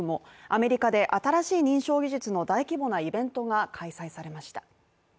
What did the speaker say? アメリカで新しい認証技術の大規模なイベントが開催されました。